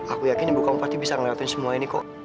aku yakin ibu kaum pati bisa ngeliatin semua ini kok